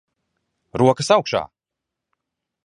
Rokas augšā.